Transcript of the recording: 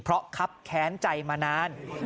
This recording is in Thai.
เพราะคับแค้นใจมานาน